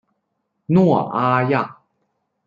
诺阿亚。